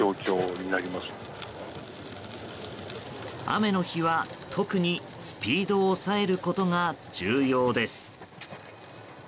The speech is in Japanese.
雨の日は特にスピードを抑えることが重要です。